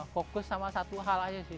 penjualan ini sudah